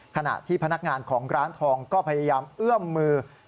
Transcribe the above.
ขณะที่พนักงานของร้านทองก็พยายามเอื้อมมือ